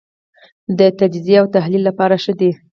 د تجزیې او تحلیل لپاره ښه دی.